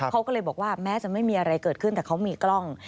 เขาก็เลยบอกว่าแม้จะไม่มีอะไรเกิดขึ้นแต่เขามีกล้อง